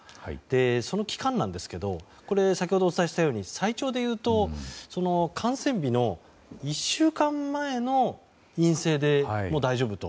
その期間なんですけど先ほどお伝えしたように最長でいうと感染日の１週間前の陰性でも大丈夫と。